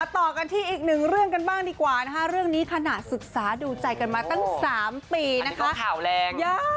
ต่อกันทีอีก๑เรื่องกันบ้างดีกว่าราคาเรื่องนี้ขณะศึกษาดูใจกันมาตั้ง๓ปีนะขาวแลน